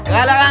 gak ada kan